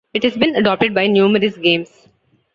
It has been adopted by numerous games.